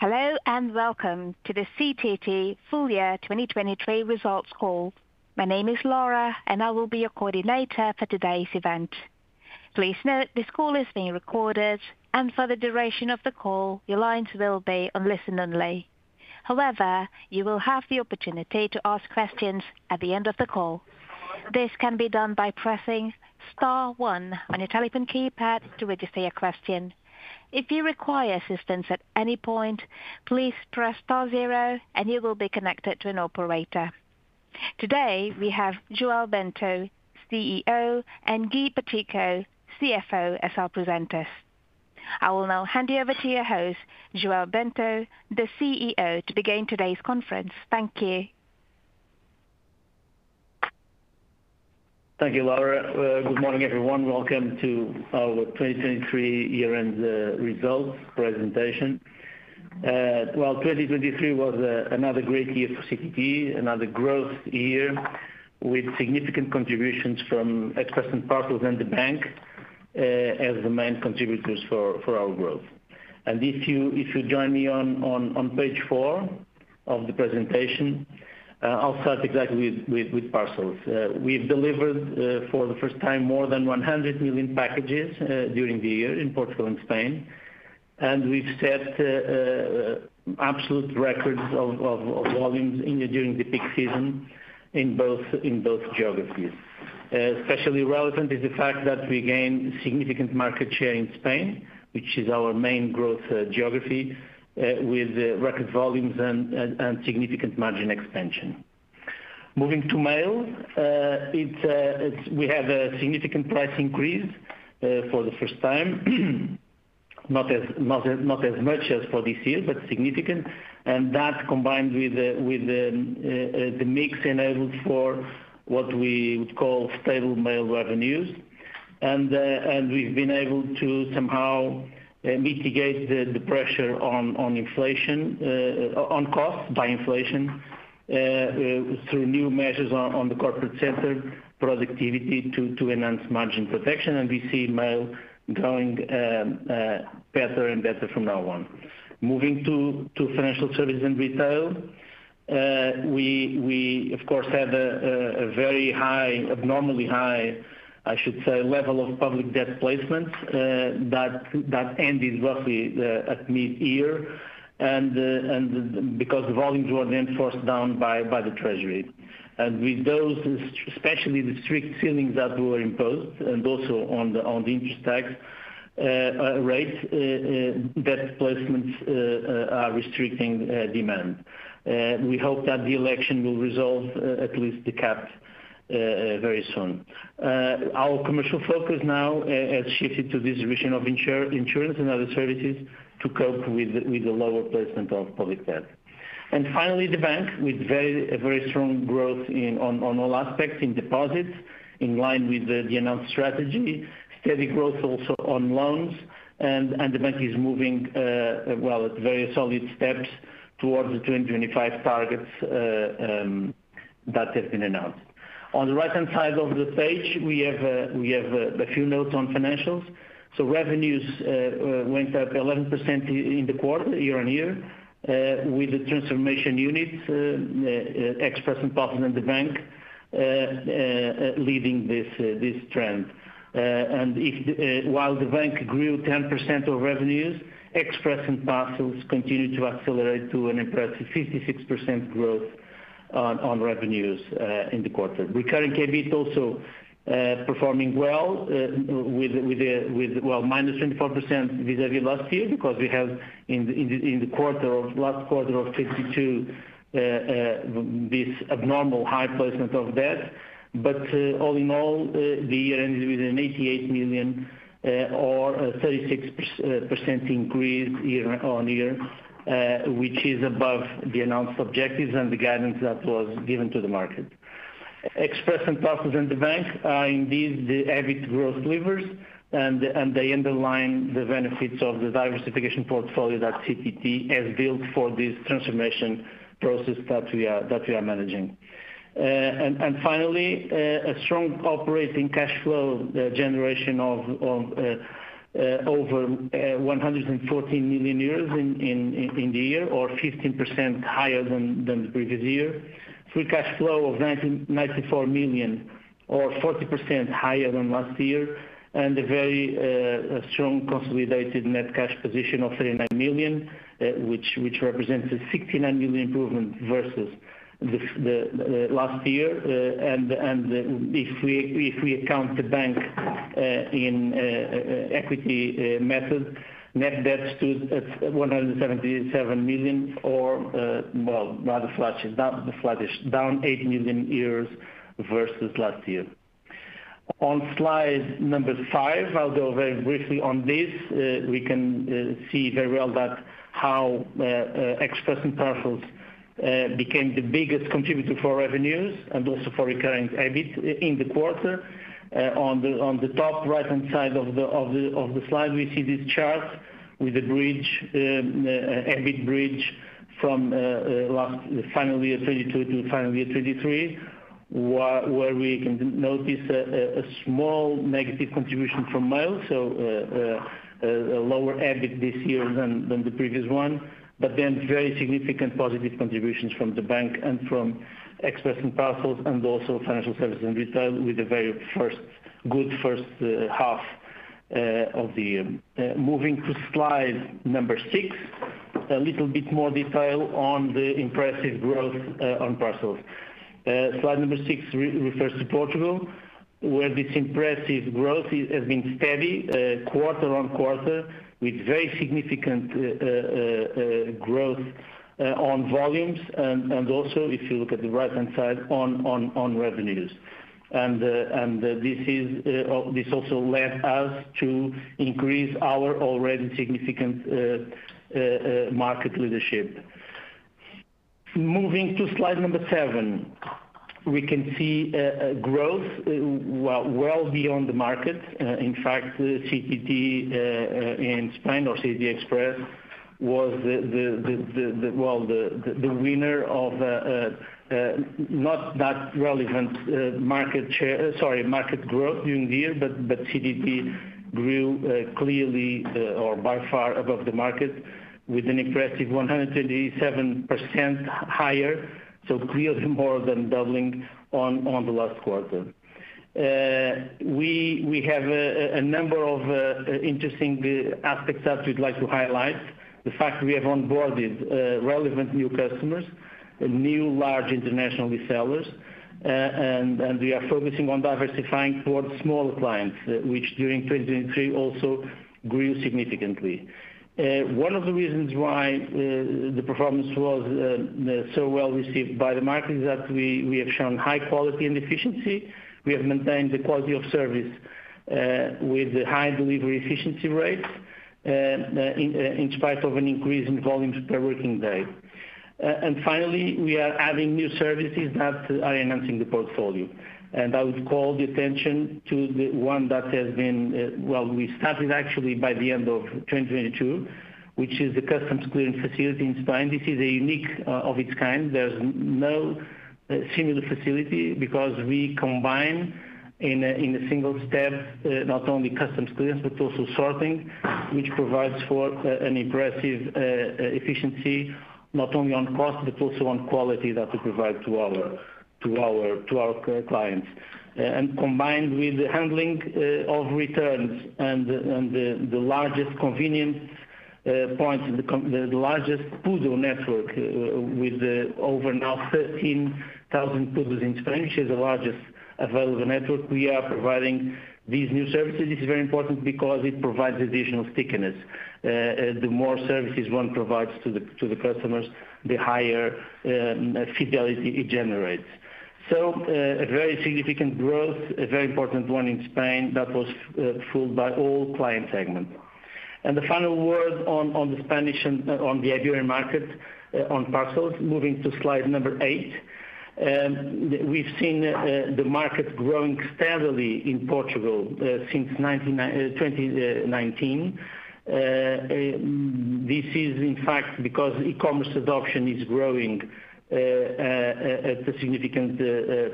Hello, and welcome to the CTT full year 2023 results call. My name is Laura, and I will be your coordinator for today's event. Please note, this call is being recorded, and for the duration of the call, your lines will be on listen only. However, you will have the opportunity to ask questions at the end of the call. This can be done by pressing star one on your telephone keypad to register your question. If you require assistance at any point, please press star zero, and you will be connected to an operator. Today, we have João Bento, CEO, and Guy Pacheco, CFO, as our presenters. I will now hand you over to your host, João Bento, the CEO, to begin today's conference. Thank you. Thank you, Laura. Good morning, everyone. Welcome to our 2023 year-end results presentation. 2023 was another great year for CTT, another growth year, with significant contributions from Express Parcels and the bank as the main contributors for our growth. And if you join me on page four of the presentation, I'll start exactly with parcels. We've delivered, for the first time, more than 100 million packages during the year in Portugal and Spain, and we've set absolute records of volumes during the peak season in both geographies. Especially relevant is the fact that we gained significant market share in Spain, which is our main growth geography, with record volumes and significant margin expansion. Moving to Mail, it's we have a significant price increase for the first time. Not as much as for this year, but significant. And that, combined with the mix, enabled what we would call stable mail revenues. And we've been able to somehow mitigate the pressure on inflation on cost by inflation through new measures on the corporate center, productivity to enhance margin protection. And we see Mail growing better and better from now on. Moving to financial services and retail, we of course had a very high, abnormally high, I should say, level of public debt placements that ended roughly at mid-year. Because the volumes were then forced down by the treasury. With those, especially the strict ceilings that were imposed, and also on the interest rates on debt placements are restricting demand. We hope that the election will resolve at least the cap very soon. Our commercial focus now has shifted to the distribution of insurance and other services to cope with the lower placement of public debt. Finally, the bank with a very strong growth in all aspects, in deposits, in line with the announced strategy. Steady growth also on loans, and the bank is moving well at very solid steps towards the 2025 targets that have been announced. On the right-hand side of the page, we have a few notes on financials. So revenues went up 11% in the quarter, year-on-year, with the transformation units, Express and Parcels and the bank, leading this trend. And while the bank grew 10% of revenues, Express and Parcels continued to accelerate to an impressive 56% growth on revenues in the quarter. Recurring EBIT also performing well, with well -24% vis-à-vis last year, because we have in the last quarter of 52 this abnormal high placement of debt. But, all in all, the year ended with 88 million, or a 36% increase year-on-year, which is above the announced objectives and the guidance that was given to the market. Express and Parcels and the bank are indeed the EBIT growth levers, and they underline the benefits of the diversification portfolio that CTT has built for this transformation process that we are managing. And, finally, a strong operating cash flow generation of over 114 million euros in the year, or 15% higher than the previous year. Free cash flow of 94 million, or 40% higher than last year, and a very strong consolidated net cash position of 39 million, which represents a 69 million improvement versus the last year. And if we account the bank in equity method, net debt stood at 177 million, or well, not a sluggish down, the flattish down 8 million versus last year. On slide number five, I'll go very briefly on this. We can see very well that how Express and Parcels became the biggest contributor for revenues and also for recurring EBIT in the quarter. On the top right-hand side of the slide, we see this chart with the bridge, EBIT bridge-... From last final year 2022 to final year 2023, where we can notice a small negative contribution from mail. So, a lower EBIT this year than the previous one, but then very significant positive contributions from the bank and from Express and Parcels, and also financial services and retail, with the very first, good first half of the year. Moving to slide number 6, a little bit more detail on the impressive growth on parcels. Slide number 6 refers to Portugal, where this impressive growth has been steady quarter-on-quarter, with very significant growth on volumes. And also, if you look at the right-hand side, on revenues. This also led us to increase our already significant market leadership. Moving to slide number seven, we can see a growth well beyond the market. In fact, CTT in Spain, or CTT Express, was the winner of not that relevant market share, sorry, market growth during the year, but CTT grew clearly or by far above the market, with an impressive 187% higher, so clearly more than doubling on the last quarter. We have a number of interesting aspects that we'd like to highlight. The fact we have onboarded relevant new customers, new large international resellers, and we are focusing on diversifying towards smaller clients, which during 2023 also grew significantly. One of the reasons why the performance was so well received by the market is that we have shown high quality and efficiency. We have maintained the quality of service with high delivery efficiency rates in spite of an increase in volumes per working day. And finally, we are adding new services that are enhancing the portfolio, and I would call the attention to the one that has been. Well, we started actually by the end of 2022, which is the customs clearing facility in Spain. This is a unique of its kind. There's no similar facility because we combine in a single step not only customs clearance, but also sorting, which provides for an impressive efficiency, not only on cost, but also on quality that we provide to our clients. And combined with the handling of returns and the largest convenient points, the largest PUDO network with over 13,000 PUDOs in Spain, which is the largest available network. We are providing these new services. This is very important because it provides additional stickiness. The more services one provides to the customers, the higher fidelity it generates. A very significant growth, a very important one in Spain, that was fueled by all client segments. The final word on the Spanish and Iberian market on parcels. Moving to slide number eight. We've seen the market growing steadily in Portugal since 2019. This is in fact because e-commerce adoption is growing at a significant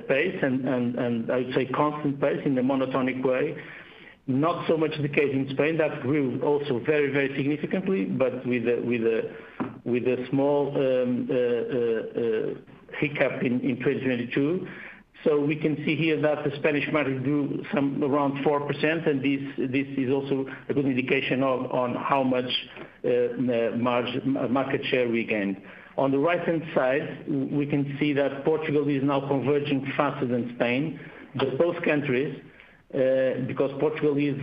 pace and I would say constant pace in a monotonic way. Not so much the case in Spain, that grew also very, very significantly, but with a small hiccup in 2022. So we can see here that the Spanish market grew some around 4%, and this is also a good indication of how much market share we gained. On the right-hand side, we can see that Portugal is now converging faster than Spain. But both countries, because Portugal is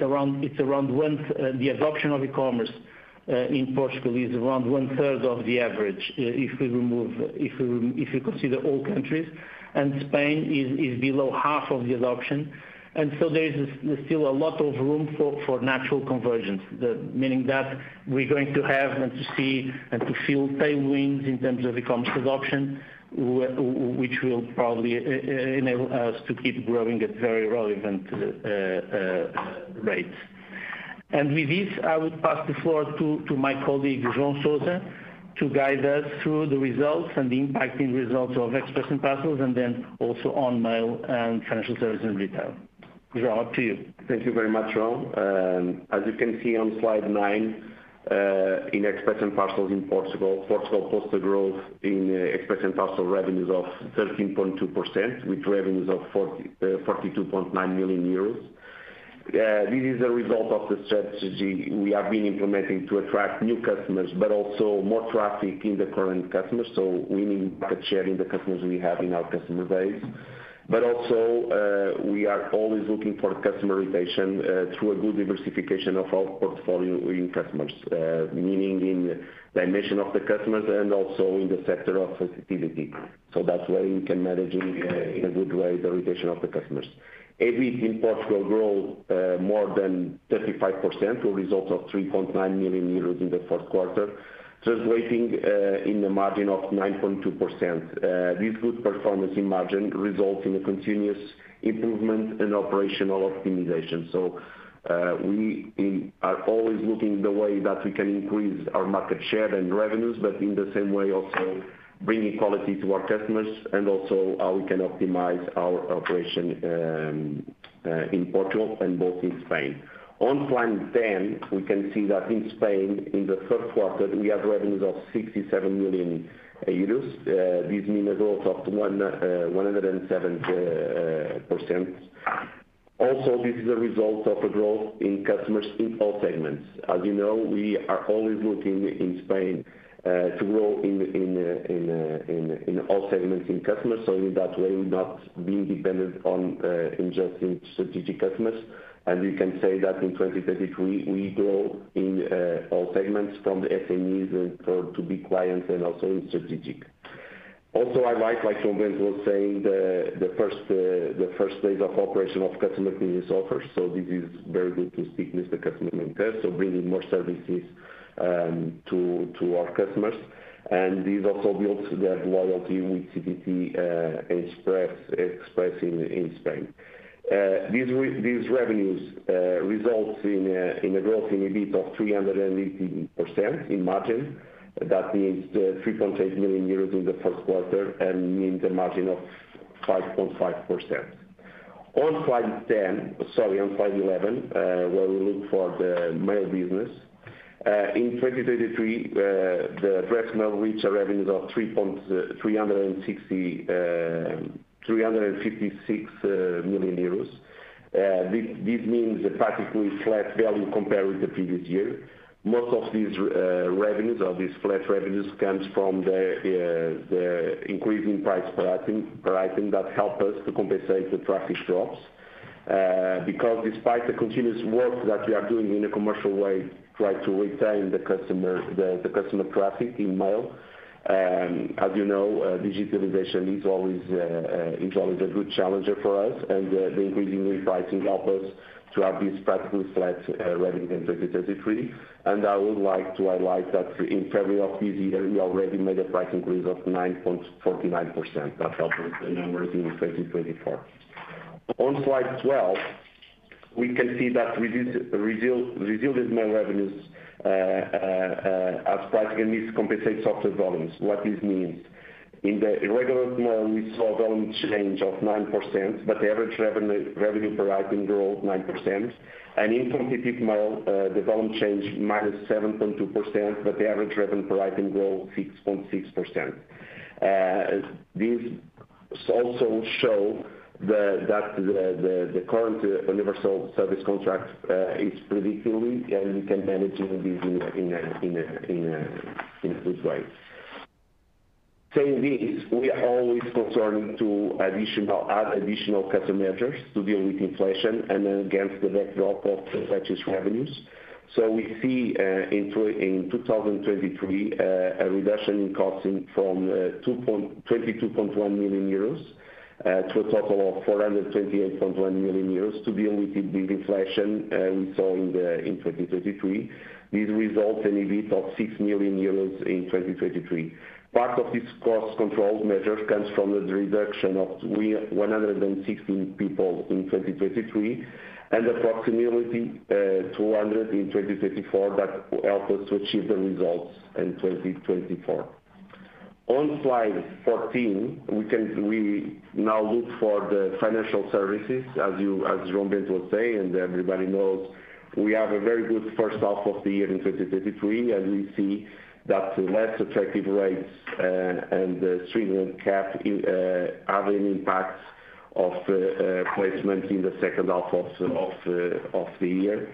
around, it's around one, the adoption of e-commerce in Portugal is around one third of the average, if we, if we consider all countries, and Spain is below half of the adoption. And so there is still a lot of room for natural convergence. The meaning that we're going to have, and to see, and to feel tailwinds in terms of e-commerce adoption, which will probably enable us to keep growing at very relevant rates. And with this, I would pass the floor to my colleague, João Sousa, to guide us through the results and the impacting results of Express and Parcels, and then also on mail and financial services and retail. João, up to you. Thank you very much, João. As you can see on slide nine, in Express and Parcels in Portugal, Portugal posted growth in express and parcel revenues of 13.2%, with revenues of 42.9 million euros. This is a result of the strategy we have been implementing to attract new customers, but also more traffic in the current customers, so we need market sharing the customers we have in our customer base. But also, we are always looking for customer retention, through a good diversification of our portfolio in customers, meaning in the mission of the customers and also in the sector of sensitivity. So that way, we can manage in a good way, the retention of the customers. EBIT in Portugal grew more than 35%, a result of 3.9 million euros in the first quarter, translating in a margin of 9.2%. This good performance in margin results in a continuous improvement in operational optimization. So, we are always looking the way that we can increase our market share and revenues, but in the same way, also bringing quality to our customers, and also how we can optimize our operation in Portugal and both in Spain. On slide ten, we can see that in Spain, in the first quarter, we have revenues of 67 million euros. This mean a growth of 170%. Also, this is a result of a growth in customers in all segments. As you know, we are always looking in Spain to grow in all segments in customers, so in that way, not being dependent on just in strategic customers. And we can say that in 2023, we grow in all segments from the SMEs and for to big clients and also in strategic. Also, like João Bento was saying, the first days of operation of customer service offers, so this is very good to stick with the customer in test, so bringing more services to our customers. And this also builds their loyalty with CTT Express in Spain. These revenues results in a growth in EBIT of 380% in margin. That means, 3.8 million euros in the first quarter and means a margin of 5.5%. On slide 10, sorry, on slide 11, where we look for the mail business. In 2023, the press mail reached revenues of 356 million euros. This, this means a practically flat value compared with the previous year. Most of these, revenues or these flat revenues comes from the, the increasing price pricing, pricing that help us to compensate the traffic drops. Because despite the continuous work that we are doing in a commercial way, try to retain the customer, the customer traffic in mail, as you know, digitalization is always a good challenger for us, and the increasing in pricing help us to have this practically flat revenue in 2023. And I would like to highlight that in February of this year, we already made a price increase of 9.49%. That helps the numbers in 2024. On slide 12, we can see that reduce, reveal, resilience mail revenues, as pricing compensate softer volumes. What this means? In the regular mail, we saw volume change of 9%, but the average revenue per item grow 9%. In competitive mail, the volume change -7.2%, but the average revenue per item grow 6.6%. This also show the current universal service contract is predictable, and we can manage this in a good way. Saying this, we are always concerned to add additional customer measures to deal with inflation and against the backdrop of purchase revenues. We see in 2023 a reduction in costing from 22.1 million euros to a total of 428.1 million euros to deal with the inflation we saw in 2023. This results in EBIT of 6 million euros in 2023. Part of this cost control measure comes from the reduction of 316 people in 2023, and approximately 200 in 2024 that will help us to achieve the results in 2024. On slide 14, we can now look at the financial services, as you, as João Bento was saying, and everybody knows, we have a very good first half of the year in 2023, and we see that less attractive rates and the streaming cap have an impact on placement in the second half of the year.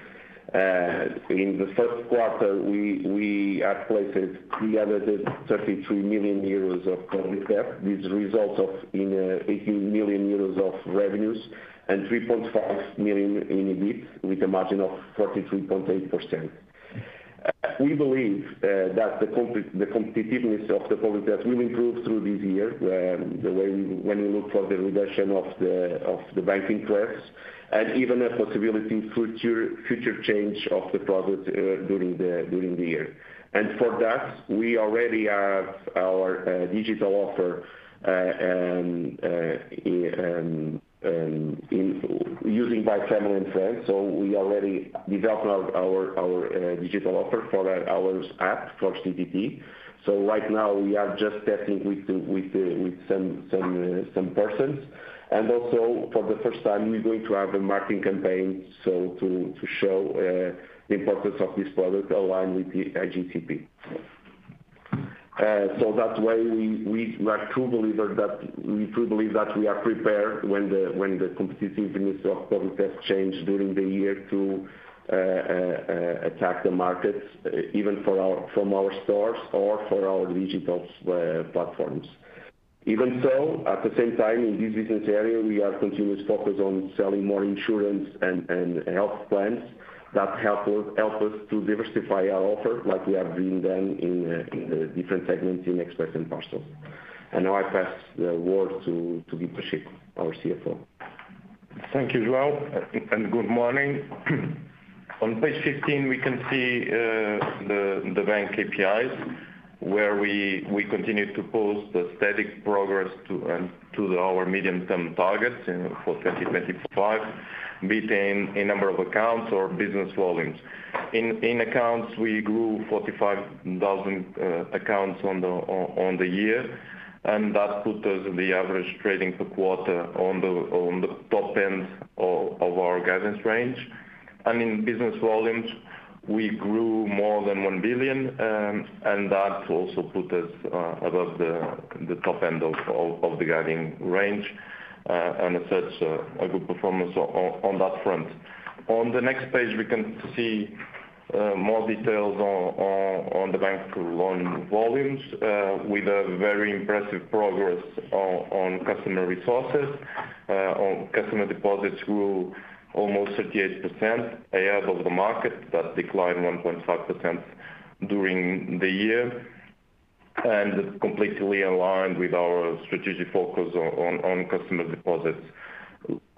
In the first quarter, we are placed 333 million euros of public debt. This resulted in 18 million euros of revenues and 3.5 million in EBIT, with a margin of 43.8%. We believe that the competitiveness of the public debt will improve through this year, the way when you look for the reduction of the banking costs, and even a possibility future change of the product during the year. And for that, we already have our digital offer in use by family and friends. So we already developed our digital offer for our app for CTT. So right now we are just testing with some persons. And also, for the first time, we're going to have a marketing campaign, so to show the importance of this product align with the IGCP. So that way we, we are true believer that we truly believe that we are prepared when the competitiveness of public debt change during the year to attack the markets, even from our stores or for our digital platforms. Even so, at the same time, in this business area, we are continuously focused on selling more insurance and health plans that help us to diversify our offer, like we have been done in the different segments in Express and Parcels. And now I pass the word to Pacheco, our CFO. Thank you, João, and good morning. On page 15, we can see the bank KPIs, where we continue to pose the steady progress to our medium-term targets and for 2025, be it in a number of accounts or business volumes. In accounts, we grew 45,000 accounts on the year, and that put us in the average trading per quarter on the top end of our guidance range. I mean, business volumes, we grew more than 1 billion, and that also put us above the top end of the guiding range, and as such, a good performance on that front. On the next page, we can see more details on the bank loan volumes, with a very impressive progress on customer resources. On customer deposits grew almost 38% ahead of the market, that declined 1.5% during the year, and completely aligned with our strategic focus on customer deposits.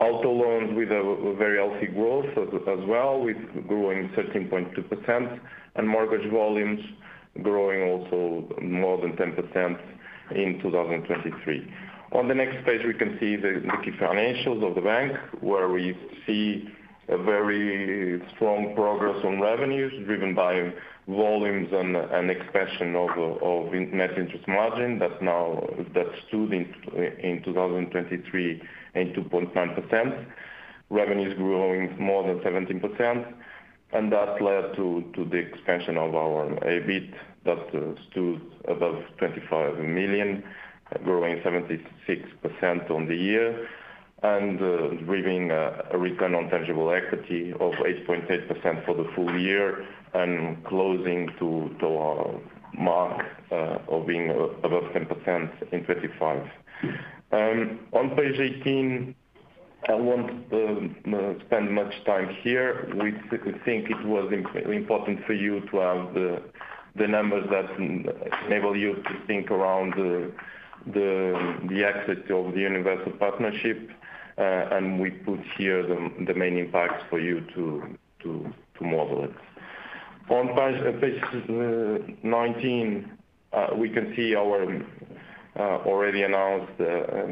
Auto loans with a very healthy growth as well, with growing 13.2%, and mortgage volumes growing also more than 10% in 2023. On the next page, we can see the key financials of the bank, where we see a very strong progress on revenues, driven by volumes and expansion of net interest margin. That's now stood in 2023 in 2.9%. Revenues growing more than 17%, and that led to the expansion of our EBIT, that stood above 25 million, growing 76% on the year, and bringing a return on tangible equity of 8.8% for the full year, and closing to our mark of being above 10% in 2025. On page 18, I won't spend much time here. We think it was important for you to have the numbers that enable you to think around the exit of the universal partnership, and we put here the main impacts for you to model it. On page 19, we can see our already announced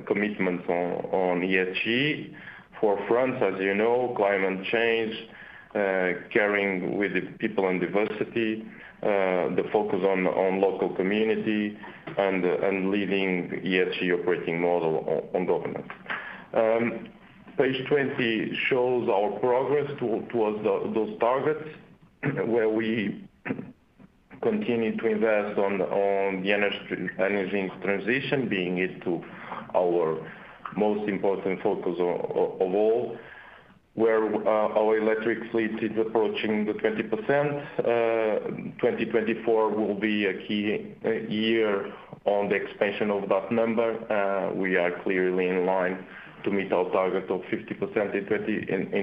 commitment on ESG. For France, as you know, climate change, caring with the people and diversity, the focus on local community and leading ESG operating model on government. Page 20 shows our progress towards those targets, where we continue to invest on the energy transition, being it to our most important focus of all, where our electric fleet is approaching the 20%. 2024 will be a key year on the expansion of that number. We are clearly in line to meet our target of 50% in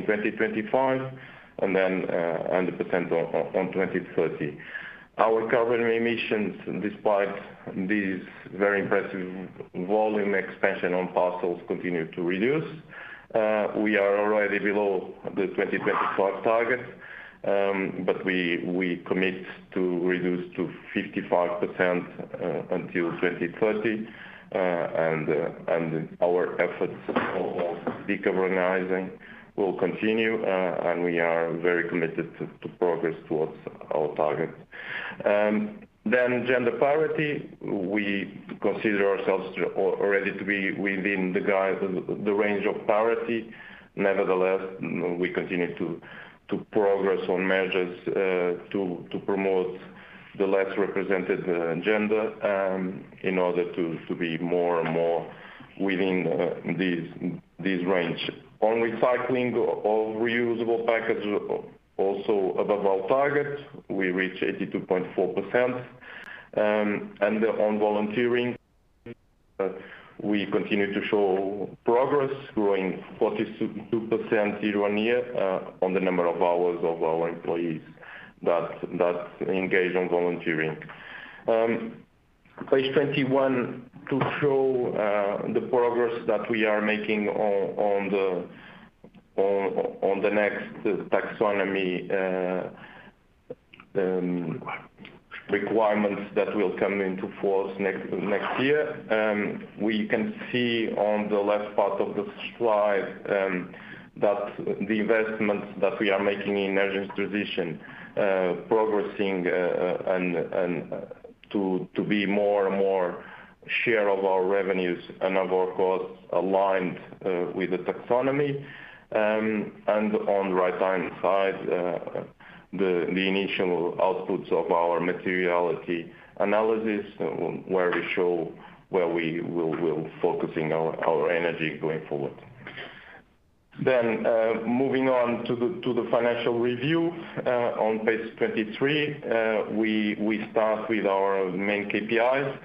2025, and then a 100% on 2030. Our carbon emissions, despite this very impressive volume expansion on parcels, continue to reduce. We are already below the 2025 target, but we commit to reduce to 55% until 2030. And our efforts of decarbonizing will continue, and we are very committed to progress towards our target. Then gender parity, we consider ourselves already to be within the guide, the range of parity. Nevertheless, we continue to progress on measures to promote the less represented gender in order to be more and more within this range. On recycling of reusable packages, also above our target, we reached 82.4%. And on volunteering, we continue to show progress, growing 42% year-on-year, on the number of hours of our employees that engage on volunteering. Page 21, to show the progress that we are making on the next taxonomy requirements that will come into force next year. We can see on the left part of the slide that the investments that we are making in energy transition progressing and to be more and more share of our revenues and of our costs aligned with the taxonomy. And on the right-hand side, the initial outputs of our materiality analysis, where we show where we will focusing our energy going forward. Then, moving on to the financial review on page 23, we start with our main KPIs,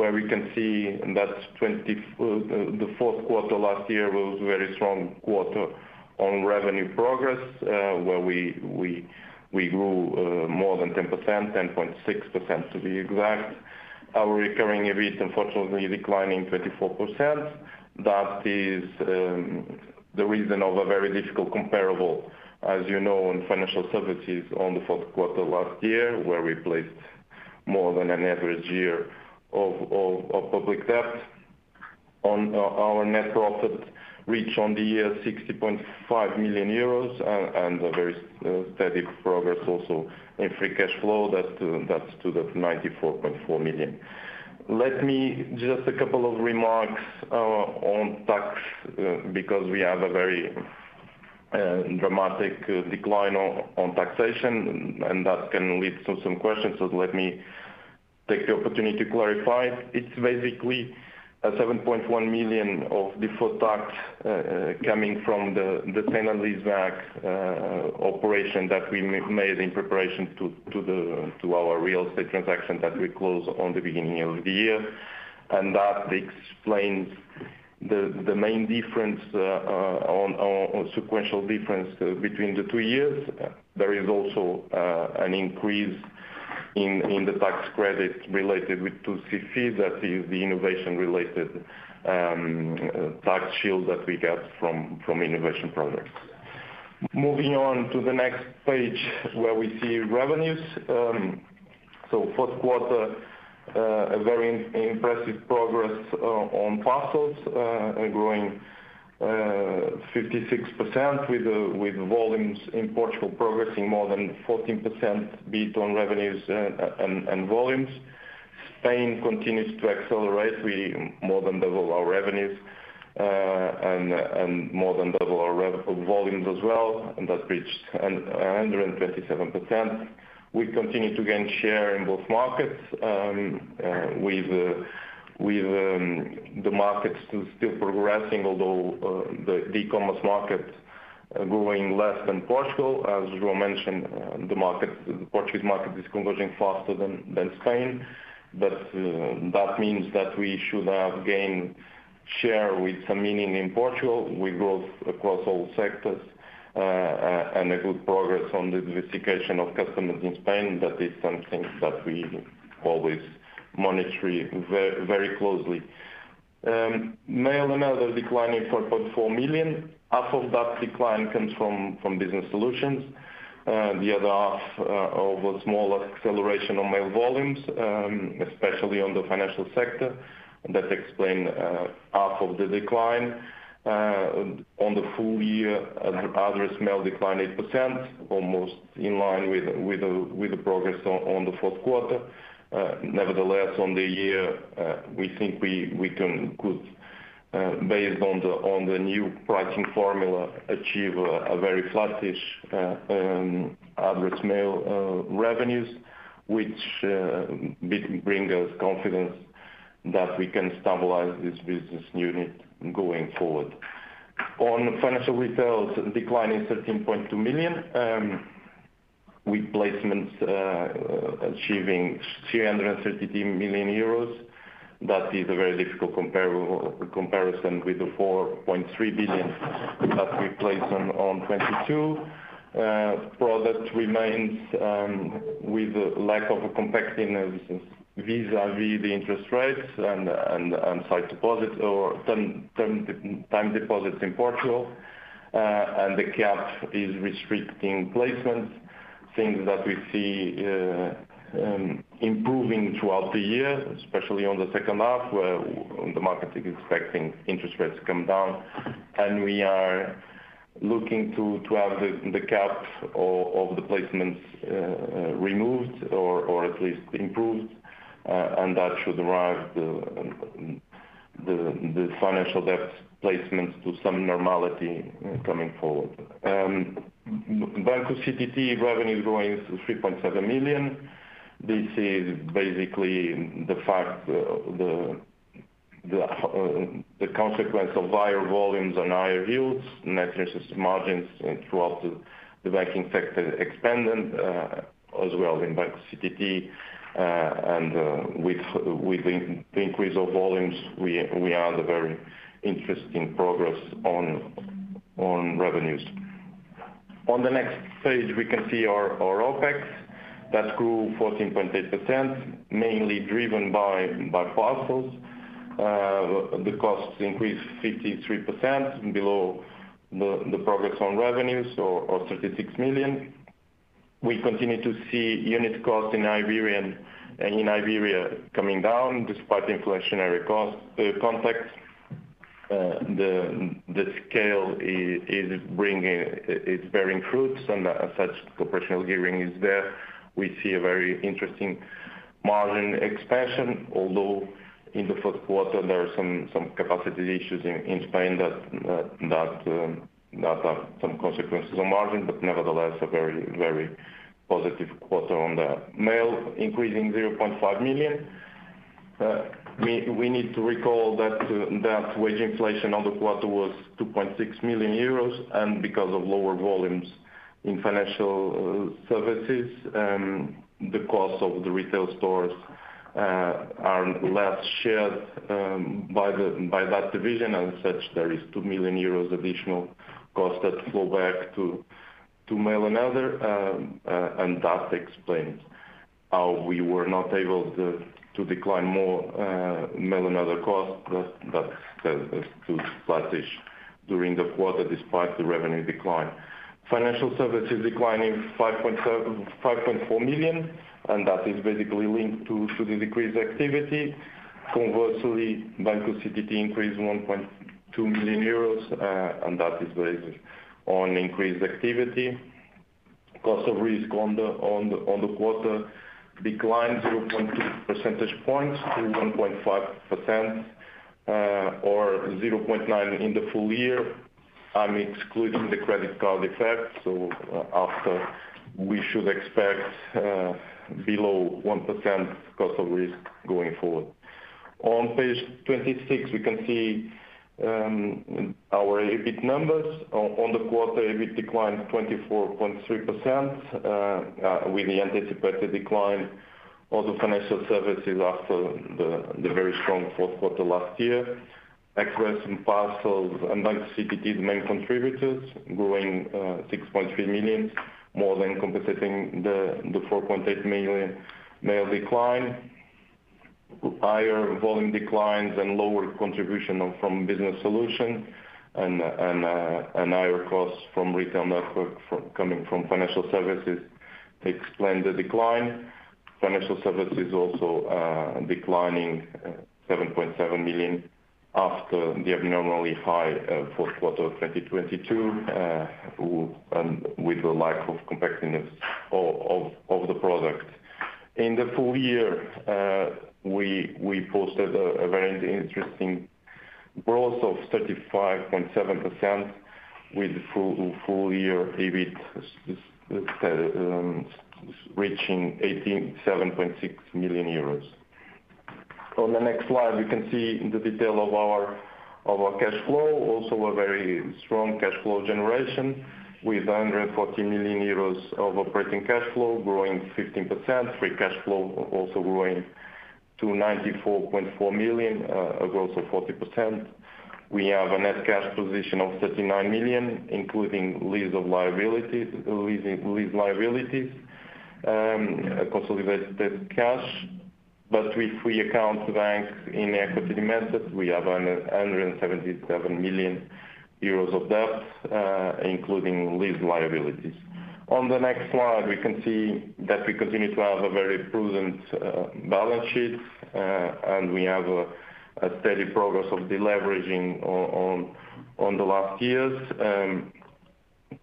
where we can see that the fourth quarter last year was very strong quarter on revenue progress, where we grew more than 10%, 10.6% to be exact. Our recurring EBIT, unfortunately, declining 24%. That is, the reason of a very difficult comparable, as you know, in financial services on the fourth quarter last year, where we placed more than an average year of public debt. On our net profit, reach on the year 60.5 million euros, and a very steady progress also in free cash flow, that's to the 94.4 million. Let me just a couple of remarks on tax, because we have a very dramatic decline on taxation, and that can lead to some questions. So let me take the opportunity to clarify. It's basically a 7.1 million of deferred tax, coming from the tenant lease back operation that we made in preparation to the our real estate transaction that we closed on the beginning of the year. That explains the main difference on the sequential difference between the two years. There is also an increase in the tax credit related with two CCs. That is the innovation related tax shield that we get from innovation projects. Moving on to the next page, where we see revenues. So first quarter, a very impressive progress on parcels, growing 56% with volumes in Portugal progressing more than 14% both on revenues and volumes. Spain continues to accelerate. We more than double our revenues and more than double our volumes as well, and that reached 127%. We continue to gain share in both markets with the markets still progressing although the e-commerce market growing less than Portugal. As João mentioned, the market, the Portuguese market is converging faster than Spain, but that means that we should have gained share with some meaning in Portugal. We growth across all sectors, and a good progress on the diversification of customers in Spain. That is something that we always monitor very closely. Mail and Other declining 4.4 million. Half of that decline comes from business solutions, the other half of a small acceleration on mail volumes, especially on the financial sector. That explain half of the decline. On the full year, address mail declined 8%, almost in line with the progress on the fourth quarter. Nevertheless, on the year, we think we could, based on the new pricing formula, achieve a very flattish, address mail revenues, which bring us confidence that we can stabilize this business unit going forward. On financial retails declining 13.2 million, with placements achieving 330 million euros. That is a very difficult comparable, comparison with the 4.3 billion that we placed in 2022. Product remains, with lack of competitiveness vis-a-vis the interest rates and sight deposits or term time deposits in Portugal, and the cap is restricting placements. Things that we see improving throughout the year, especially on the second half, where the market is expecting interest rates to come down. We are looking to have the cap on the placements removed or at least improved, and that should drive the public debt placements to some normality coming forward. Banco CTT revenue growing to 3.7 million. This is basically the consequence of higher volumes and higher yields, net interest margins throughout the banking sector expanded as well in Banco CTT. And with the increase of volumes, we are seeing very interesting progress on revenues. On the next page, we can see our OpEx that grew 14.8%, mainly driven by parcels. The costs increased 53% below the progress on revenues or 36 million. We continue to see unit costs in Iberia coming down despite the inflationary cost context. The scale is bringing, it's bearing fruits, and as such, operational gearing is there. We see a very interesting margin expansion, although in the first quarter, there are some capacity issues in Spain that have some consequences on margin, but nevertheless, a very positive quarter on that. Mail increasing 0.5 million. We need to recall that wage inflation on the quarter was 2.6 million euros, and because of lower volumes in financial services, the cost of the retail stores are less shared by that division. As such, there is 2 million euros additional cost that flow back to mail and other, and that explains how we were not able to decline more mail and other costs. That stood flattish during the quarter, despite the revenue decline. Financial services declining 5.7, 5.4 million, and that is basically linked to the decreased activity. Conversely, Banco CTT increased 1.2 million euros, and that is based on increased activity. Cost of risk on the quarter declined 0.2 percentage points to 1.5%, or 0.9% in the full year, excluding the credit card effect. So, after we should expect below 1% cost of risk going forward. On page 26, we can see our EBIT numbers. On the quarter, EBIT declined 24.3%, with the anticipated decline of the financial services after the very strong fourth quarter last year. Express and Parcels, and like CTT, the main contributors, growing 6.3 million, more than compensating the 4.8 million mail decline. Higher volume declines and lower contribution from business solutions and higher costs from retail network coming from financial services explain the decline. Financial services also declining 7.7 million after the abnormally high fourth quarter of 2022 and with the lack of competitiveness of the product. In the full year, we posted a very interesting growth of 35.7% with full year EBIT reaching 87.6 million euros. On the next slide, we can see the detail of our cash flow. Also a very strong cash flow generation, with 140 million euros of operating cash flow, growing 15%, free cash flow also growing to 94.4 million, a growth of 40%. We have a net cash position of 39 million, including lease liabilities, consolidated cash, but with free accounts banks in equity method, we have 177 million euros of debt, including lease liabilities. On the next slide, we can see that we continue to have a very prudent balance sheet, and we have a steady progress of deleveraging on the last years.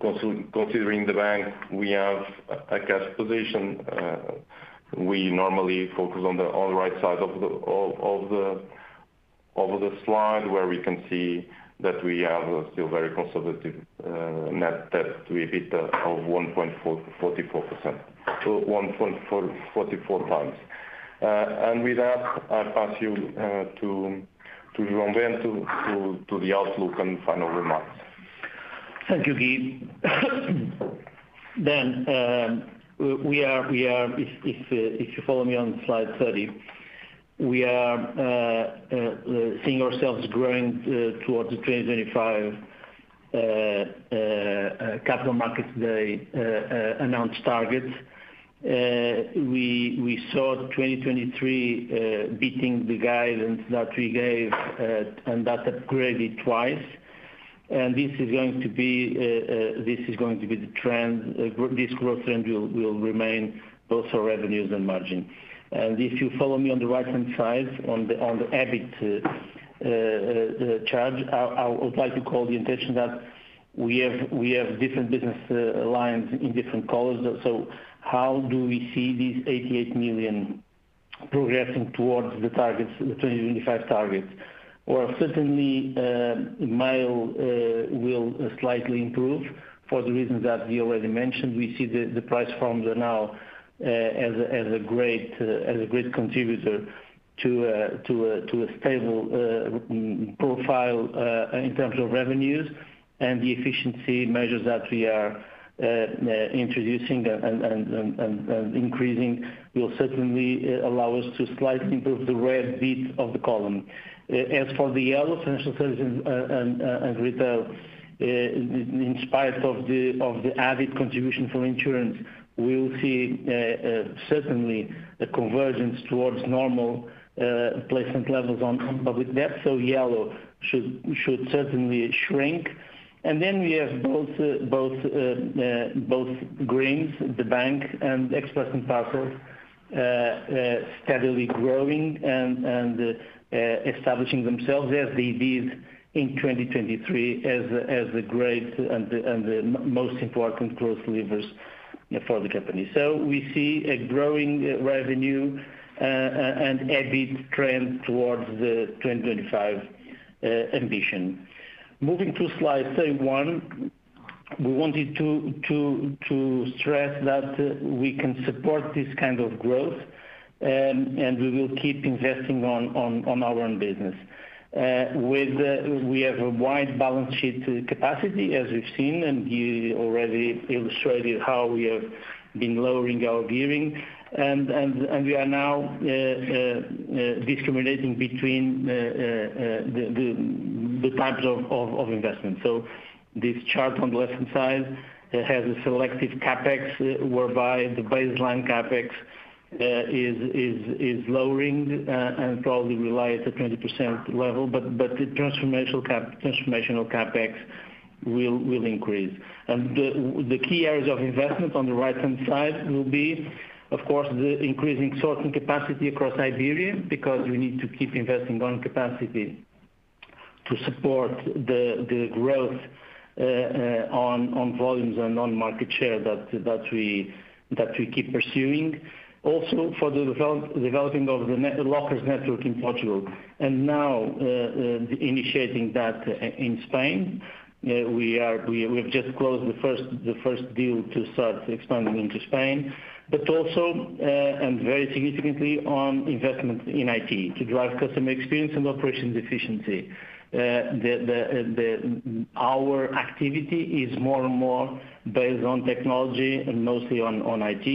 Considering the bank, we have a cash position. We normally focus on the right side of the slide, where we can see that we have a still very conservative net debt to EBITDA of 1.44x. And with that, I'll pass you to João Bento to the outlook and final remarks. Thank you, Guy. Then, if you follow me on slide 30, we are seeing ourselves growing towards the 2025 capital markets day announce targets. We saw 2023 beating the guidance that we gave, and that upgraded twice. And this is going to be the trend, this growth trend will remain both for revenues and margin. And if you follow me on the right-hand side, on the EBIT chart, I would like to call the attention that we have different business lines in different colors. So how do we see these 88 million progressing towards the targets, the 2025 targets? Certainly, mail will slightly improve for the reasons that we already mentioned. We see the price forms are now as a great contributor to a stable profile in terms of revenues and the efficiency measures that we are introducing and increasing will certainly allow us to slightly improve the red bit of the column. As for the yellow, financial services and retail, in spite of the avid contribution from insurance, we will see certainly a convergence towards normal placement levels on public debt, so yellow should certainly shrink. And then we have both the bank and Express and Parcels steadily growing and establishing themselves as they did in 2023, as the most important growth levers for the company. So we see a growing revenue and EBIT trend towards the 2025 ambition. Moving to slide 31, we wanted to stress that we can support this kind of growth, and we will keep investing on our own business. We have a wide balance sheet capacity, as we've seen, and Guy already illustrated how we have been lowering our gearing. And we are now discriminating between the types of investment. So this chart on the left-hand side has a selective CapEx, whereby the baseline CapEx is lowering, and probably rely at the 20% level, but the transformational CapEx will increase. And the key areas of investment on the right-hand side will be, of course, the increasing sorting capacity across Iberia, because we need to keep investing on capacity to support the growth on volumes and on market share that we keep pursuing. Also for the developing of the net-lockers network in Portugal, and now initiating that in Spain. We have just closed the first deal to start expanding into Spain, but also, and very significantly on investment in IT, to drive customer experience and operations efficiency. Our activity is more and more based on technology and mostly on IT.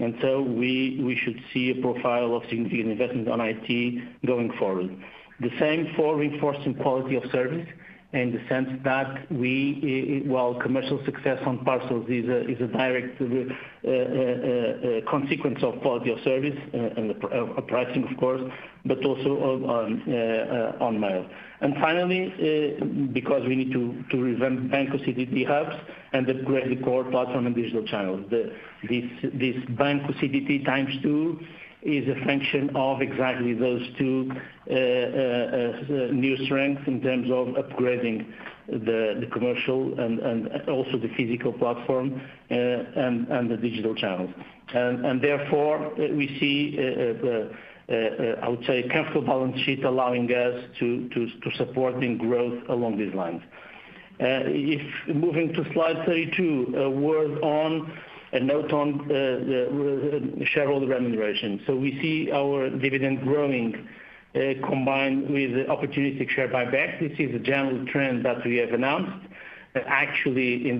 And so we should see a profile of significant investment on IT going forward. The same for reinforcing quality of service, in the sense that we, well, commercial success on parcels is a direct consequence of quality of service, and the pricing, of course, but also on mail. And finally, because we need to revamp Banco CTT hubs and upgrade the core platform and digital channels. This Banco CTT times two is a function of exactly those two new strengths in terms of upgrading the commercial and also the physical platform, and the digital channels. Therefore, we see the comfortable balance sheet allowing us to support growth along these lines. If moving to slide 32, a note on the shareholder remuneration. We see our dividend growing combined with the opportunistic share buyback. This is a general trend that we have announced. Actually,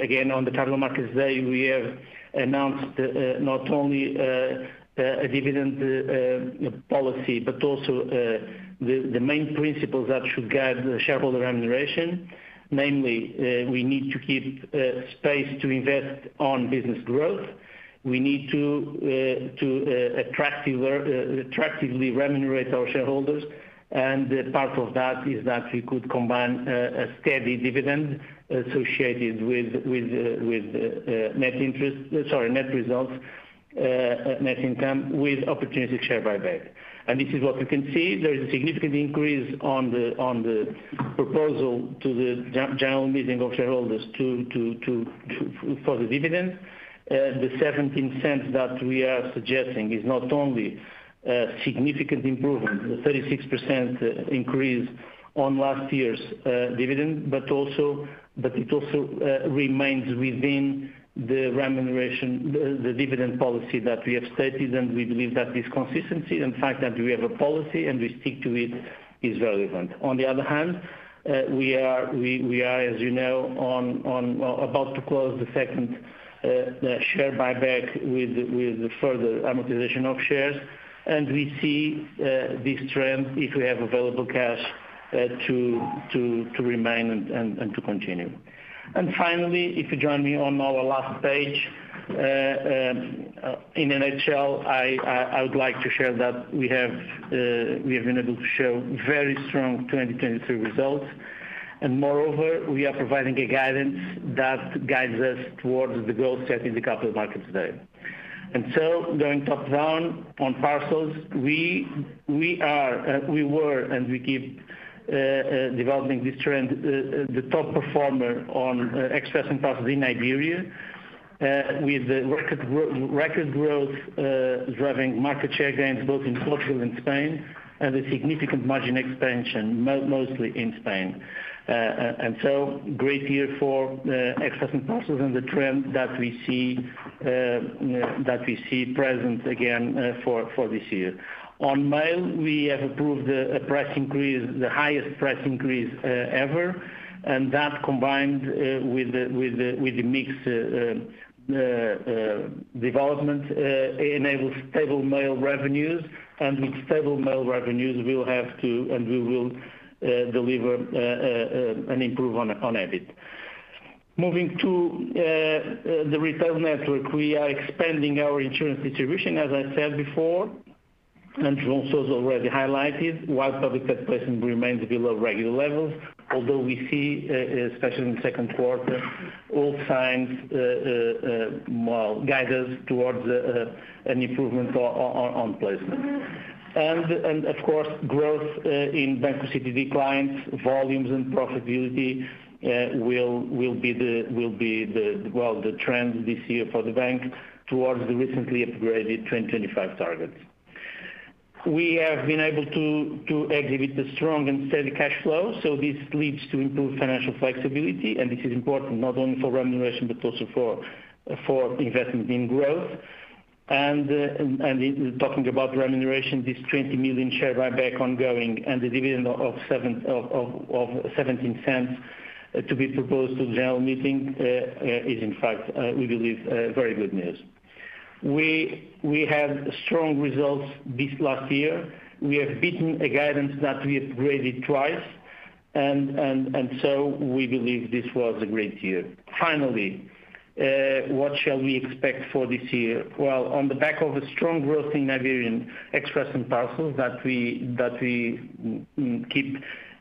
again, on the Capital Markets Day, we have announced not only a dividend policy, but also the main principles that should guide the shareholder remuneration. Namely, we need to keep space to invest on business growth. We need to attractively remunerate our shareholders, and part of that is that we could combine a steady dividend associated with net results, net income, with opportunistic share buyback. And this is what you can see. There is a significant increase on the proposal to the general meeting of shareholders for the dividend. The 0.17 that we are suggesting is not only a significant improvement, the 36% increase on last year's dividend, but it also remains within the remuneration, the dividend policy that we have stated, and we believe that this consistency, in fact, that we have a policy and we stick to it, is relevant. On the other hand, we are, as you know, well about to close the second share buyback with further amortization of shares. And we see this trend, if we have available cash, to remain and to continue. And finally, if you join me on our last page, in a nutshell, I would like to share that we have been able to show very strong 2023 results. And moreover, we are providing a guidance that guides us towards the goal set in the Capital Markets Day. And so going top down on parcels, we are, we were, and we keep developing this trend, the top performer on Express and Parcels in Iberia, with record growth driving market share gains both in Portugal and Spain, and a significant margin expansion, mostly in Spain. And so great year for Express and Parcels and the trend that we see present again for this year. On mail, we have approved a price increase, the highest price increase ever. And that combined with the mix development enables stable mail revenues, and with stable mail revenues, we will have to, and we will deliver an improvement on EBIT. Moving to the retail network, we are expanding our insurance distribution, as I said before, and João Sousa already highlighted, while public debt placement remains below regular levels, although we see, especially in the second quarter, all signs, well, guide us towards an improvement on placement. And, of course, growth in Banco CTT clients, volumes and profitability, will be the trend this year for the bank towards the recently upgraded 2025 targets. We have been able to exhibit a strong and steady cash flow, so this leads to improved financial flexibility, and this is important not only for remuneration, but also for investment in growth. And talking about remuneration, this 20 million share buyback ongoing and the dividend of 0.17 to be proposed to the general meeting is in fact, we believe, very good news. We had strong results this last year. We have beaten a guidance that we upgraded twice, and so we believe this was a great year. Finally, what shall we expect for this year? Well, on the back of a strong growth in Iberian Express and Parcels that we keep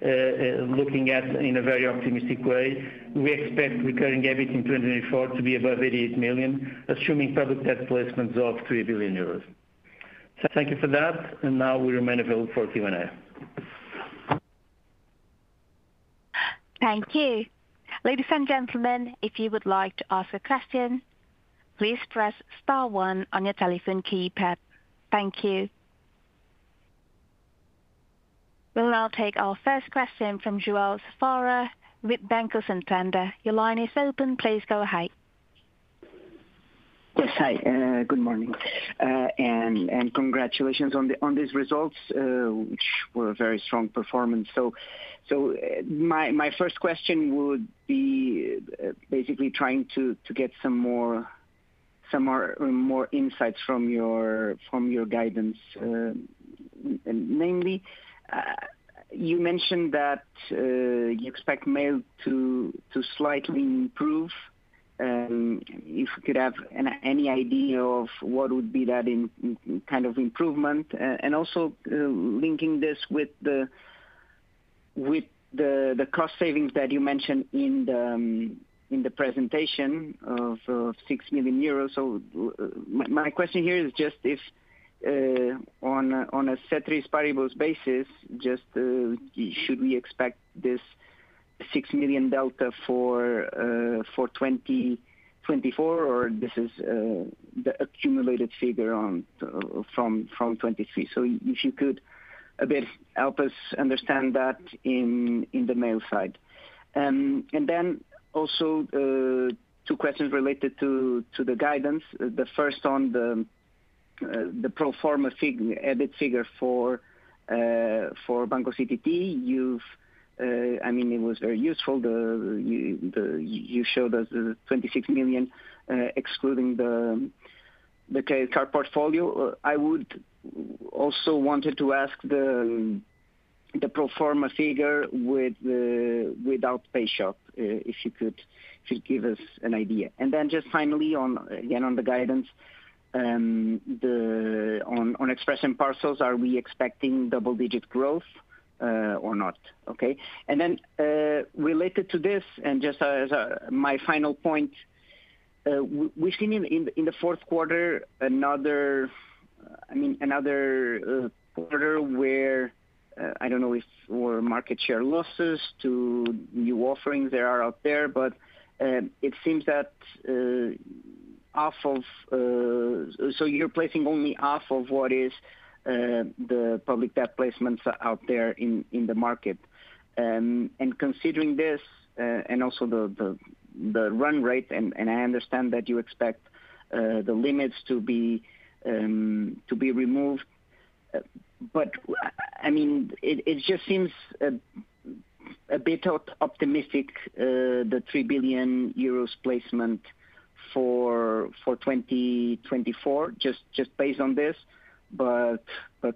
looking at in a very optimistic way, we expect recurring EBIT in 2024 to be above 88 million, assuming public debt placements of 3 billion euros. Thank you for that, and now we remain available for Q&A. Thank you. Ladies and gentlemen, if you would like to ask a question, please press star one on your telephone keypad. Thank you. We'll now take our first question from João Safara with Banco Santander. Your line is open, please go ahead. Yes, hi, good morning. And congratulations on these results, which were a very strong performance. So, my first question would be basically trying to get some more insights from your guidance. And mainly, you mentioned that you expect mail to slightly improve. If we could have any idea of what would be that kind of improvement, and also linking this with the cost savings that you mentioned in the presentation of 6 million euros. So my question here is just if, on a ceteris paribus basis, just should we expect this 6 million delta for 2024, or this is the accumulated figure from 2023? So if you could a bit help us understand that in the mail side. And then also two questions related to the guidance. The first on the pro forma figure for Banco CTT. You've, I mean, it was very useful, you showed us the 26 million excluding the car portfolio. I would also wanted to ask the pro forma figure without Payshop, if you could to give us an idea. And then just finally, on again on the guidance, on Express and Parcels, are we expecting double-digit growth or not? Okay. And then, related to this, and just as my final point, we've seen in the fourth quarter another, I mean, another quarter where I don't know if there were market share losses to new offerings that are out there, but it seems that half of... So you're placing only half of what is the public debt placements out there in the market. And considering this, and also the run rate, and I understand that you expect the limits to be removed. But I mean, it just seems a bit optimistic, the 3 billion euros placement for 2024, just based on this. But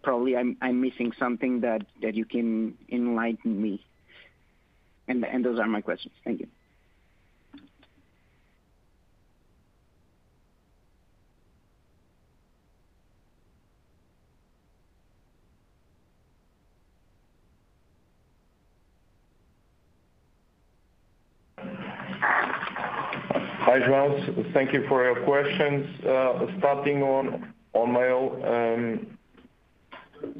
probably I'm missing something that you can enlighten me. And those are my questions. Thank you. Hi, João. Thank you for your questions. Starting on mail.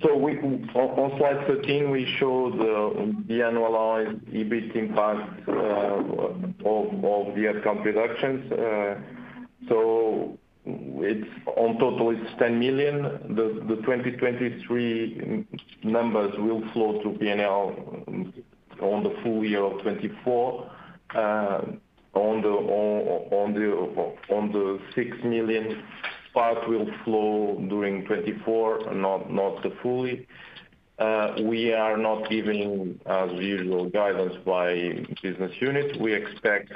So we, on slide 13, we showed the annualized EBIT impact of the head count reductions. So it's, in total it's 10 million. The 2023 numbers will flow to P&L on the full year of 2024. On the six million part will flow during 2024, not fully. We are not giving, as usual, guidance by business unit. We expect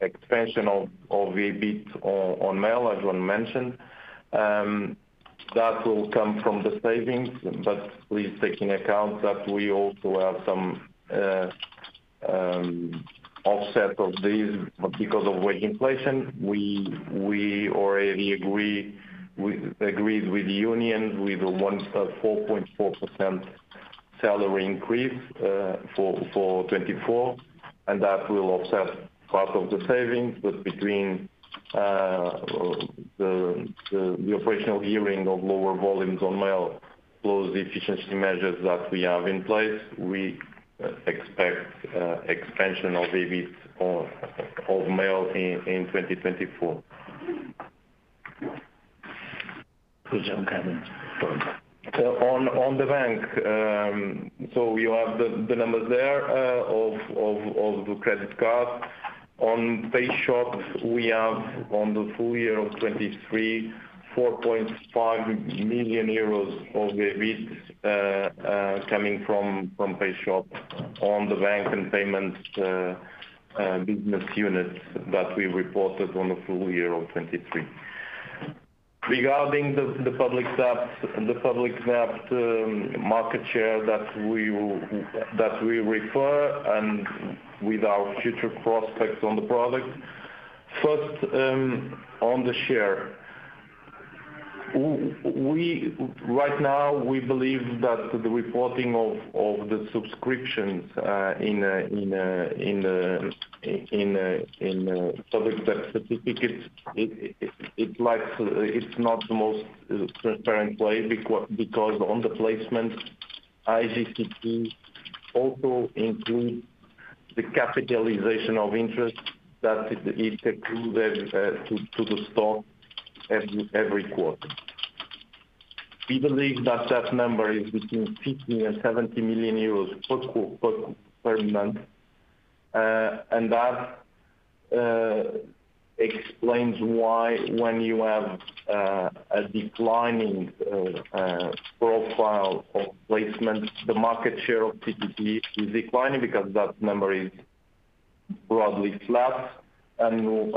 expansion of EBIT on mail, as João mentioned. That will come from the savings, but please take into account that we also have some offset of these, because of wage inflation. We already agreed with the union with 4.4% salary increase for 2024, and that will offset part of the savings. But between the operational gearing of lower volumes on mail, plus the efficiency measures that we have in place, we expect expansion of EBIT of mail in 2024. Please, on comments. Go on. On the bank, so you have the numbers there, of the credit card. On Payshop, we have on the full year of 2023, 4.5 million euros of EBIT, coming from Payshop on the bank and payments business units that we reported on the full year of 2023. Regarding the public debt market share that we refer and with our future prospects on the product. First, on the share, we right now, we believe that the reporting of the subscriptions in public debt certificates, it like, it's not the most transparent way, because on the placement IGCP also include the capitalization of interest that is accrued to the stock every quarter. We believe that number is between 50 million and 70 million euros per month. That explains why when you have a declining profile of placement, the market share of CTT is declining because that number is broadly flat. When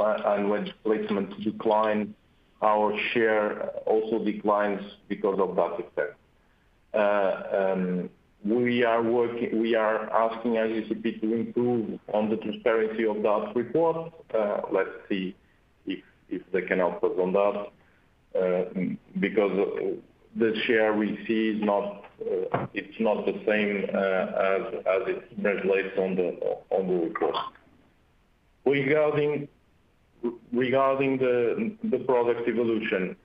placements decline, our share also declines because of that effect. We are asking IGCP to improve on the transparency of that report. Let's see if they can help us on that, because the share we see is not the same as it translates on the report. Regarding the product evolution,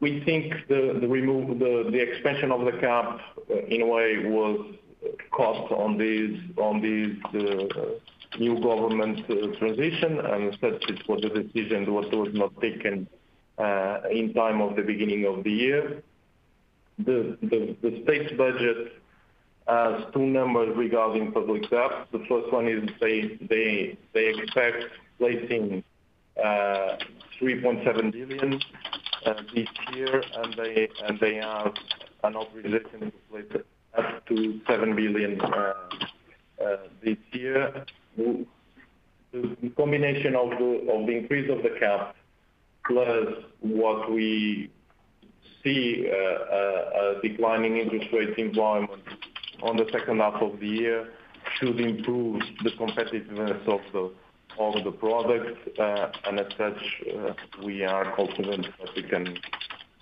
we think the expansion of the cap, in a way, was caused by this new government transition, and as such it was a decision that was not taken in time for the beginning of the year. The state budget has two numbers regarding public debt. The first one is they expect placing 3.7 billion this year, and they have an authorization to place up to 7 billion this year. The combination of the increase of the cap, plus what we see, a declining interest rate environment in the second half of the year, should improve the competitiveness of the products. As such, we are confident that we can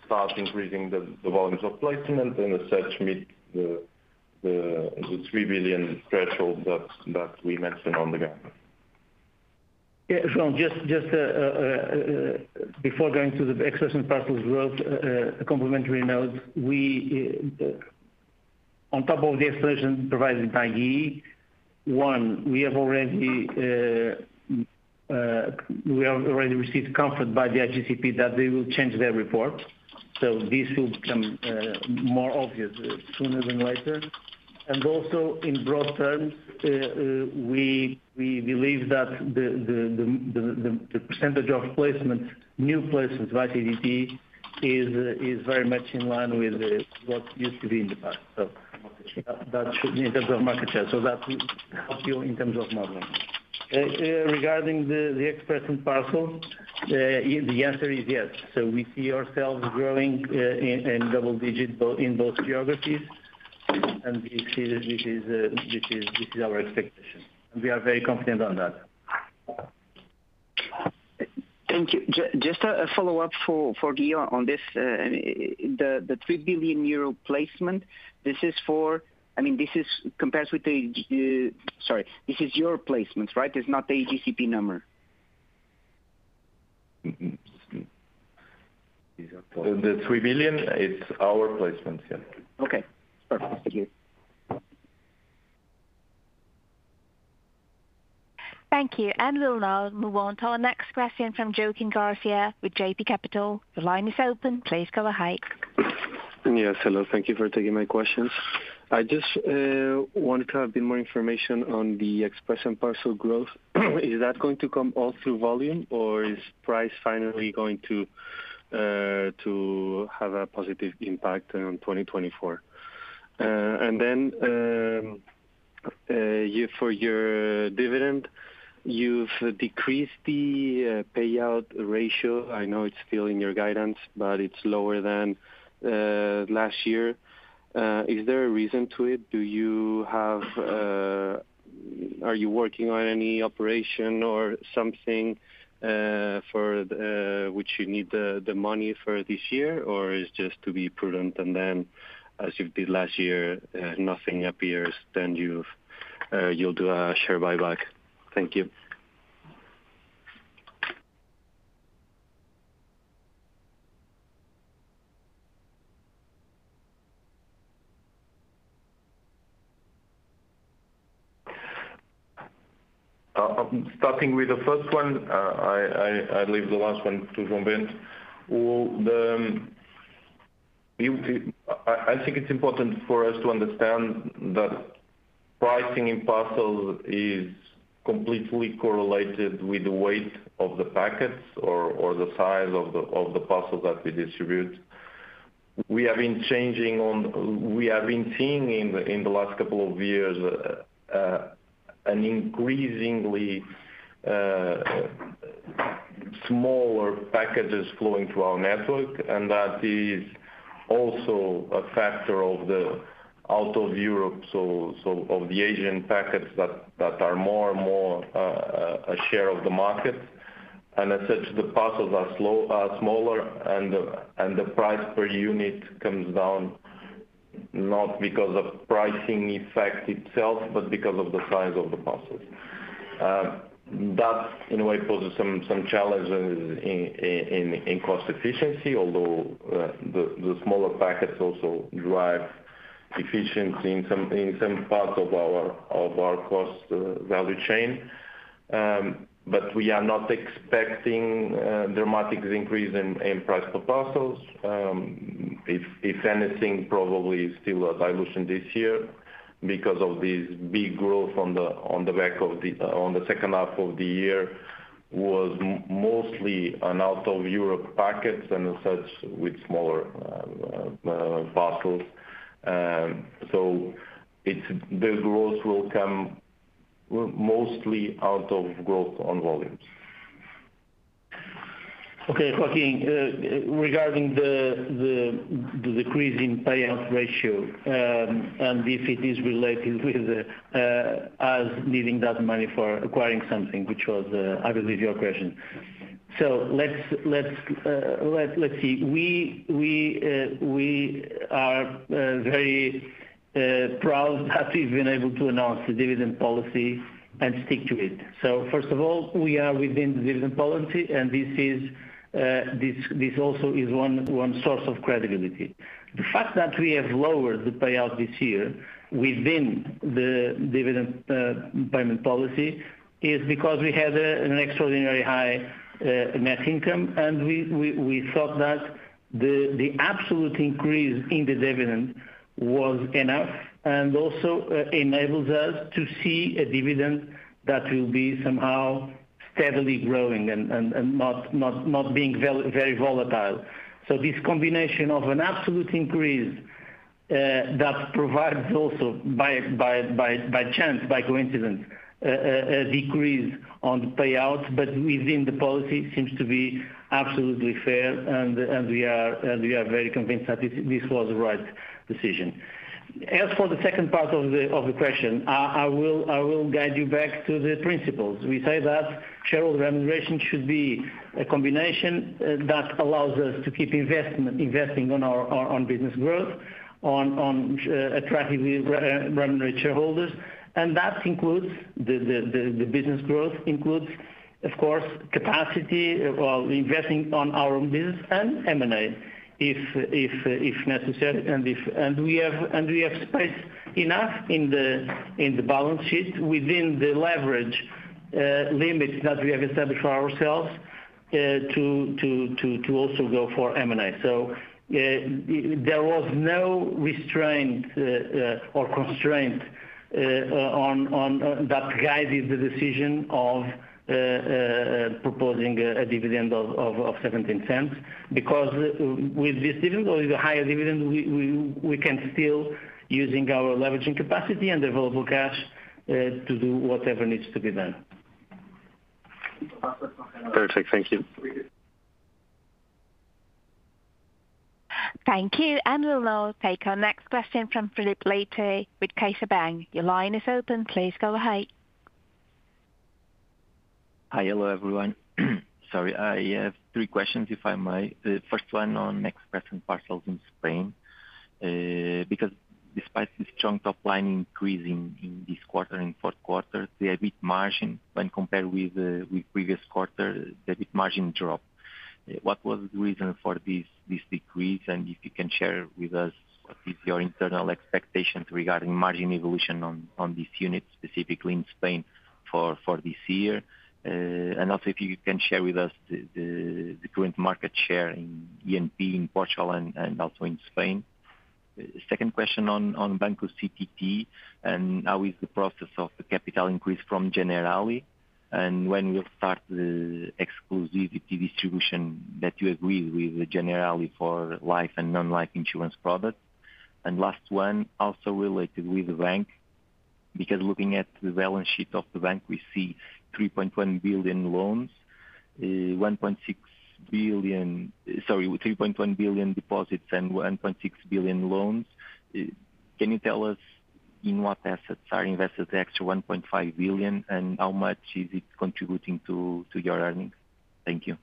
start increasing the volumes of placement, and as such, meet the 3 billion threshold that we mentioned on the guide. Yeah, João, just before going to the Express and Parcels growth, a complimentary note. We, on top of the expression provided by GE, one, we have already received comfort by the IGCP that they will change their report, so this will become more obvious sooner than later. And also, in broad terms, we believe that the percentage of placement, new placements by IGCP is very much in line with what used to be in the past. So that should be in terms of market share, so that will help you in terms of modeling. Regarding the express and parcel, the answer is yes. So we see ourselves growing in double digits in both geographies, and we see that this is our expectation, and we are very confident on that. Thank you. Just a follow-up for Guillaume on this, the 3 billion euro placement, this is for... I mean, this is your placement, right? It's not the IGCP number. Mm-mm. The 3 billion, it's our placement, yeah. Okay, perfect. Thank you. Thank you. We'll now move on to our next question from Joaquin Garcia with JB Capital. The line is open. Please go ahead. Yes, hello. Thank you for taking my questions. I just wanted to have a bit more information on the express and parcel growth. Is that going to come all through volume, or is price finally going to have a positive impact on 2024? And then, for your dividend, you've decreased the payout ratio. I know it's still in your guidance, but it's lower than last year. Is there a reason to it? Do you have... Are you working on any operation or something, for which you need the money for this year, or is just to be prudent? And then, as you did last year, nothing appears, then you'll do a share buyback. Thank you. Starting with the first one, I leave the last one to João Bento. Well, I think it's important for us to understand that pricing in parcels is completely correlated with the weight of the packets or the size of the parcels that we distribute. We have been seeing in the last couple of years an increasingly smaller packages flowing through our network, and that is also a factor of the out of Europe, so of the Asian packets that are more and more a share of the market. And as such, the parcels are slow smaller, and the price per unit comes down, not because of pricing effect itself, but because of the size of the parcels. That in a way poses some challenges in cost efficiency, although the smaller packets also drive efficiency in some parts of our cost value chain. But we are not expecting dramatic increase in price per parcels. If anything, probably still a dilution this year because of this big growth on the back of the second half of the year, was mostly an out of Europe packets, and as such, with smaller parcels. So the growth will come mostly out of growth on volumes. Okay, Joaquín, regarding the decrease in payout ratio, and if it is related with us needing that money for acquiring something, which was, I believe your question. So let's see. We are very proud that we've been able to announce the dividend policy and stick to it. So first of all, we are within the dividend policy, and this also is one source of credibility. The fact that we have lowered the payout this year within the dividend payment policy is because we had an extraordinarily high net income, and we thought that the absolute increase in the dividend was enough, and also enables us to see a dividend that will be somehow steadily growing and not being very volatile. So this combination of an absolute increase that provides also by chance, by coincidence, a decrease on the payout, but within the policy, seems to be absolutely fair, and we are very convinced that this was the right decision. As for the second part of the question, I will guide you back to the principles. We say that shareholder remuneration should be a combination that allows us to keep investing on our business growth, attractively remunerate shareholders. And that includes the business growth, of course, capacity, investing on our own business and M&A, if necessary. And we have space enough in the balance sheet within the leverage limits that we have established for ourselves to also go for M&A. So, there was no restraint or constraint that guided the decision of proposing a dividend of 0.17, because with this dividend or the higher dividend, we can still using our leveraging capacity and available cash to do whatever needs to be done. Perfect. Thank you. Thank you. And we'll now take our next question from Filipe Leite with CaixaBank. Your line is open. Please go ahead. Hi. Hello, everyone. Sorry. I have three questions, if I may. The first one on Express and Parcels in Spain. Because despite the strong top line increase in this quarter, in fourth quarter, the EBIT margin when compared with previous quarter, the EBIT margin dropped. What was the reason for this decrease? And if you can share with us what is your internal expectations regarding margin evolution on this unit, specifically in Spain for this year? And also if you can share with us the current market share in E&P, in Portugal and also in Spain. Second question on Banco CTT, and how is the process of the capital increase from Generali? And when will start the exclusivity distribution that you agreed with Generali for life and non-life insurance products? And last one, also related with the bank, because looking at the balance sheet of the bank, we see 3.1 billion loans, one point six billion... Sorry, 3.1 billion deposits and 1.6 billion loans. Can you tell us in what assets are invested the extra 1.5 billion, and how much is it contributing to, to your earnings? Thank you.